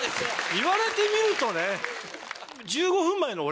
言われてみるとね。